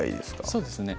そうですね